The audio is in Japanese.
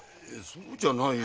そうじゃないよ。